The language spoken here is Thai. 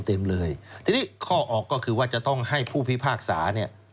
เต็มเลยทีนี้ข้อออกก็คือว่าจะต้องให้ผู้พิพากษาเนี่ย